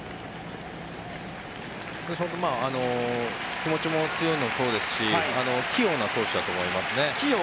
気持ちが強いのもそうですし器用な投手だと思いますね。